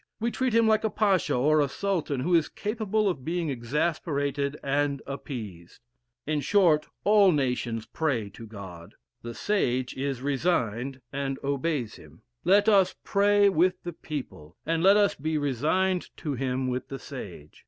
We treat him like a pacha, or a sultan, who is capable of being exasperated and appeased. In short, all nations pray to God; the sage is resigned, and obeys him. Let us pray with the people, and let us be resigned to him with the sage.